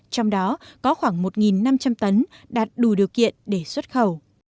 trong đó có khoảng một năm trăm linh tấn đạt đủ điều kiện để xuất khẩu